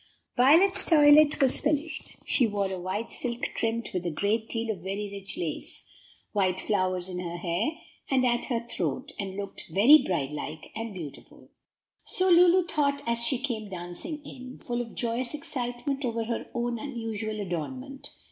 Violet's toilet was finished. She wore a white silk trimmed with a great deal of very rich lace, white flowers in her hair and at her throat, and looked very bridelike and beautiful. So Lulu thought as she came dancing in, full of joyous excitement over her own unusual adornment.